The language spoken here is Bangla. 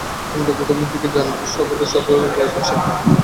গোবিন্দ প্রথম দিন থেকেই জানিয়ে দিলেন, সর্বাগ্রে এবং সকলের উপরে পয়সা।